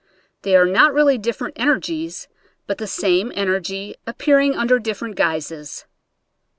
They are not really different energies, hut the same energy appearing un der different guises.